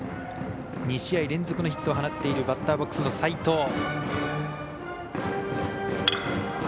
２試合連続のヒットを放っているバッターボックスの齋藤。